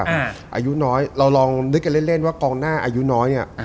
อายุน้อยเราลองนึกกันเล่นว่ากองหน้าอายุน้อยเนี่ย